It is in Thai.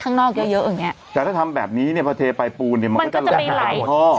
ข้างนอกเยอะเยอะอย่างเงี้ยแต่ถ้าทำแบบนี้เนี่ยพอเทไปปูนเนี่ยมันก็จะหาหมด